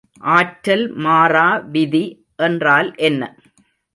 ஆற்றல் மாறா விதி என்றால் என்ன?